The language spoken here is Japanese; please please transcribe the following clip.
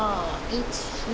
１２。